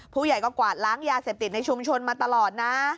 ผู้ใหญ่ก็กวาดล้างยาเสพติดในชุมชนมาตลอดนะ